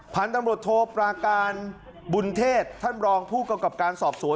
ผ่านตำลดโทษปราการบุญเทศท่านรองผู้เกี่ยวกับการสอบสวน